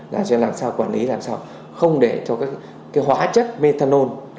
là cho làm sao quản lý làm sao không để cho các hóa chất methanol